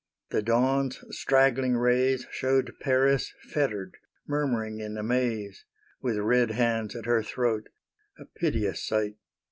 The dawn's straggling rays Showed Paris fettered, murmuring in amaze, With red hands at her throat a piteous sight.